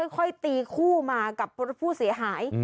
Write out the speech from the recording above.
ค่อยตีคู่มากับผู้เสียหาย